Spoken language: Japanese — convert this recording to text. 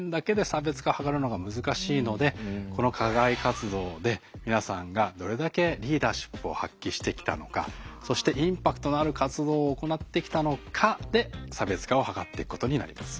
のでこの課外活動で皆さんがどれだけリーダーシップを発揮してきたのかそしてインパクトのある活動を行ってきたのかで差別化を図っていくことになります。